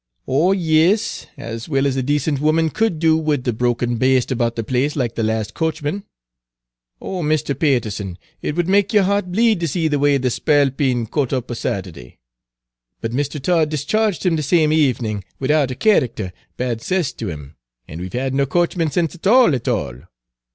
"Oh yis, as well as a decent woman could do wid a drunken baste about the place like the lahst coachman. O Misther Payterson, it would make yer heart bleed to see the way the spalpeen cut up a Saturday! But Misther Todd discharged 'im the same avenin', widout a characther, bad 'cess to 'im, an' we 've had no coachman sence at all, at all.